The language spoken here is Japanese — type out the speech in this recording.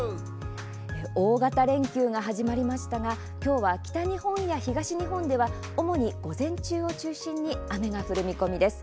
大型連休が始まりましたが今日は北日本や東日本では主に午前中を中心に雨が降る見込みです。